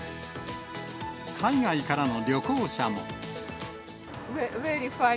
海外からの旅行者も。